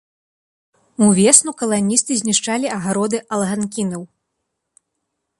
Увесну каланісты знішчалі агароды алганкінаў.